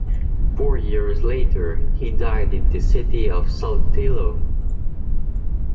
Four years later, he died in the city of Saltillo.